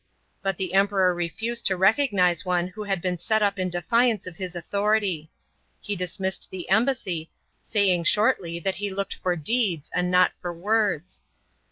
But the Emperor refused to recognise one who had been set up in defiance of his authority. He dismissed the embassy, saying shortly that he looked for deeds and not tor words.